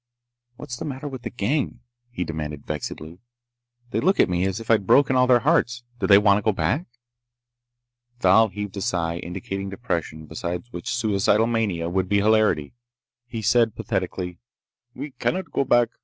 "What's the matter with the gang?" he demanded vexedly. "They look at me as if I'd broken all their hearts! Do they want to go back?" Thal heaved a sigh, indicating depression beside which suicidal mania would be hilarity. He said pathetically: "We cannot go back.